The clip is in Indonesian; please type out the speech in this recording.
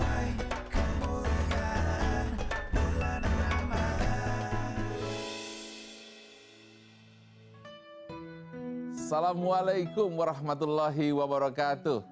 assalamualaikum warahmatullahi wabarakatuh